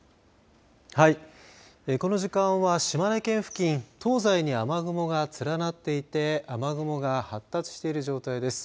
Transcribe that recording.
はい、この時間は島根県付近東西に雨雲が連なっていて雨雲が発達している状態です。